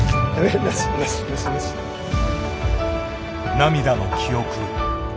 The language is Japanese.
涙の記憶。